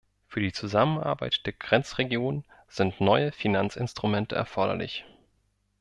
Für die Zusammenarbeit der Grenzregionen sind neue Finanzinstrumente erforderlich.